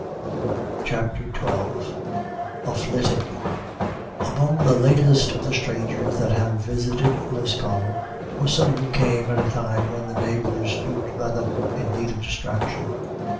CHAPTER XII A FLITTING Among the latest of the strangers that have visited Lisconnel were some who came at a time when the neighbours stood rather in need of distraction.